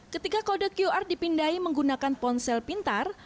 ketika kode qr dipindai menggunakan ponsel pintar